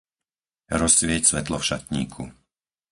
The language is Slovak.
Rozsvieť svetlo v šatníku.